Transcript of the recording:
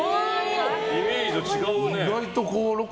イメージと違うね。